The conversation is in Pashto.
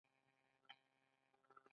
د شاه و عروس بند څه ګټه لري؟